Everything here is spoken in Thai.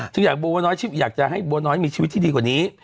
ซึ่งอยากให้บัวน้อยมีชีวิตที่ดีกว่านี้